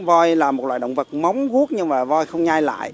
voi là một loài động vật móng guốc nhưng mà voi không nhai lại